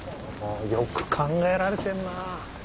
よく考えられてんな。